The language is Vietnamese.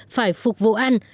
phải phục vụ ăn